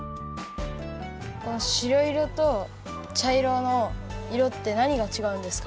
あのしろ色とちゃ色の色ってなにがちがうんですか？